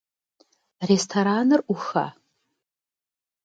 Rêstoranır 'uxa?